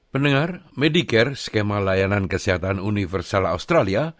pendengar medicare skema layanan kesehatan universal australia